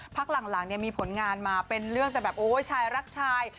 พักหลังเนี่ยมีผลงานมาเป็นเรื่องแต่แบบโอ้ยชายรักชาย